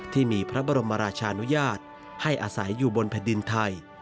ที่มีพระบรมราชานุญาตให้อาศัยอยู่บนแผ่นดินไทย